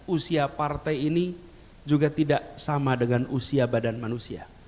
usia partai ini juga tidak sama dengan usia badan manusia